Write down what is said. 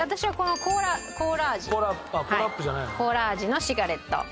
コーラ味のシガレット。